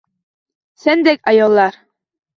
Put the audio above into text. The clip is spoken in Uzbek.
Sendek ayollar.